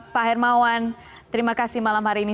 pak hermawan terima kasih malam hari ini